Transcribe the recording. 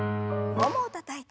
ももをたたいて。